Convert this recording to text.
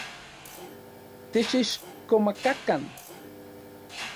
Techixkomakakan.